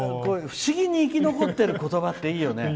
不思議に生き残ってることばっていいよね。